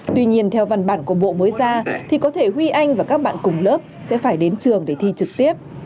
tuy nhiên theo văn bản của bộ mới ra thì có thể huy anh và các bạn cùng lớp sẽ phải đến trường để thi trực tiếp